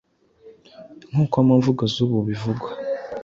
nkuko mu mvugo z’ubu bivugwa.